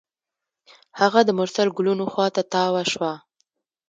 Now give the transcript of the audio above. هغه د مرسل ګلونو خوا ته تاوه شوه.